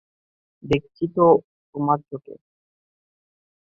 দেখছিতো তোমার চোখে।